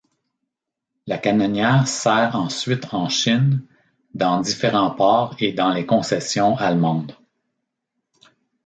La canonnière sert ensuite en Chine, dans différents ports et dans les concessions allemandes.